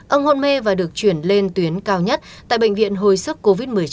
ông hôn mê và được chuyển lên tuyến cao nhất tại bệnh viện hồi sức covid một mươi chín